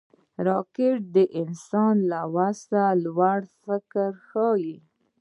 راکټ د انسان له وس نه لوړ فکر ښيي